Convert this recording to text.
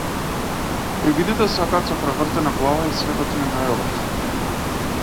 Привидите сакаат со превртена глава и светот им е најубав.